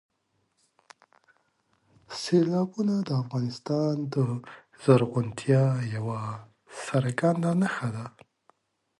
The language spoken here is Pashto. سیلابونه د افغانستان د زرغونتیا یوه څرګنده نښه ده.